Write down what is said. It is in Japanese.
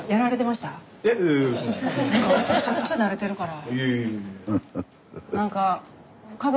むちゃくちゃ慣れてるから。